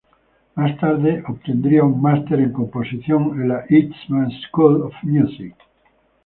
Más tarde obtendría un Máster en Composición en la Eastman School of Music.